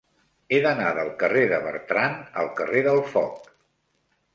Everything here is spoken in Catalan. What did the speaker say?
He d'anar del carrer de Bertran al carrer del Foc.